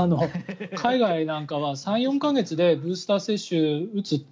海外なんかは３４か月でブースター接種を打つ。